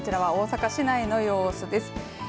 こちら大阪市内の様子です。